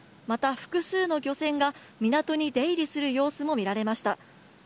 また、複数の漁船が港に出入りする様子も見られました。